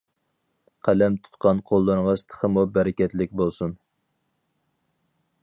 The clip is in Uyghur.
قەلەم تۇتقان قوللىرىڭىز تېخىمۇ بەرىكەتلىك بولسۇن!